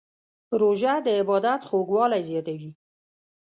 روژه د عبادت خوږوالی زیاتوي.